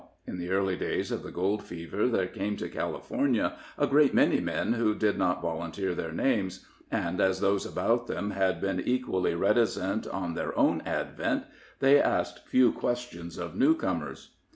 In the early days of the gold fever there came to California a great many men who did not volunteer their names, and as those about them had been equally reticent on their own advent, they asked few questions of newcomers.